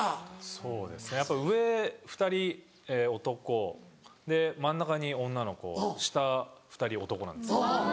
そうですねやっぱ上２人男真ん中に女の子下２人男なんです。